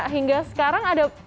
hingga sekarang ada